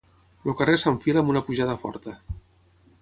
El carrer s'enfila amb una pujada forta